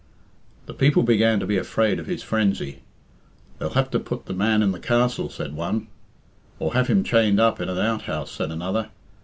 The people began to be afraid of his frenzy. "They'll have to put the man in the Castle," said one. "Or have him chained up in an outhouse," said another.